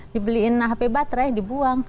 dibeliin hp baterai dibuang